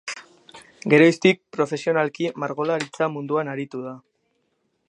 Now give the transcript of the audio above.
Geroztik profesionalki margolaritza munduan aritu da.